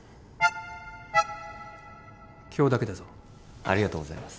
今日だけだぞありがとうございます